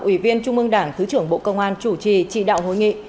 ủy viên trung mương đảng thứ trưởng bộ công an chủ trì chỉ đạo hội nghị